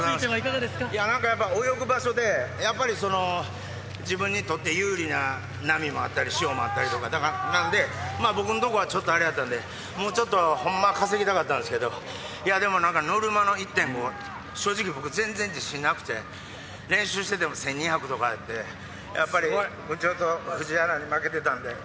いや、やっぱ泳ぐ場所で、やっぱりその自分にとって有利な波もあったり、潮もあったりとかなんで、僕の所はちょっとあれやったんで、もうちょっとほんま、稼ぎたかったんですけれども、いや、でもノルマの１．５、正直僕、全然自信なくて、練習してても１２００とかだったんで、やっぱり部長と藤原に負けてたんで、